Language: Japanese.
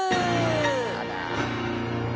あら。